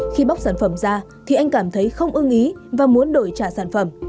khi bóc sản phẩm ra thì anh cảm thấy không ưng ý và muốn đổi trả sản phẩm